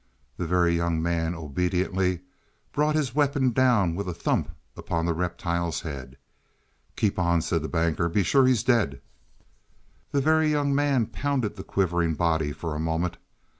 The Very Young Man obediently brought his weapon down with a thump upon the reptile's head. "Keep on," said the Banker. "Be sure he's dead." The Very Young Man pounded the quivering body for a moment.